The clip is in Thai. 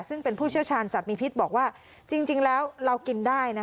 ซึ่งเป็นผู้เชี่ยวชาญสัตว์มีพิษบอกว่าจริงแล้วเรากินได้